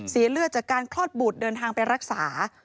เลือดจากการคลอดบุตรเดินทางไปรักษา